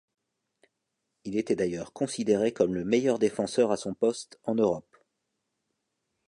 Il était d'ailleurs considéré comme le meilleur défenseur à son poste en Europe.